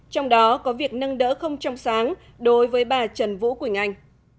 trong đó có việc nâng đỡ không trong sáng đối với bà trần vũ quỳnh anh